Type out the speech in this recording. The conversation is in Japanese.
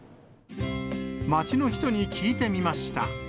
街の人に聞いてみました。